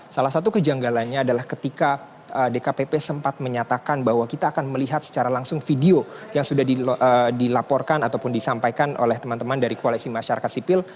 salah satu kejanggalannya adalah ketika dkpp sempat menyatakan bahwa kita akan melihat secara langsung video yang sudah dilaporkan ataupun disampaikan oleh teman teman dari koalisi masyarakat sipil